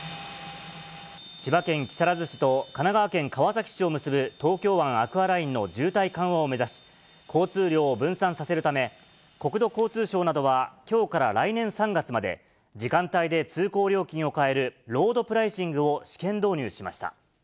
千葉県木更津市と神奈川県川崎市を結ぶ東京湾アクアラインの渋滞緩和を目指し、交通量を分散させるため、国土交通省などはきょうから来年３月まで、時間帯で通行料金を変えるロードプライシングを試験導入しました。